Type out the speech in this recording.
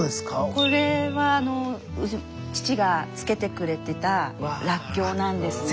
これは父が漬けてくれてたらっきょうなんですね。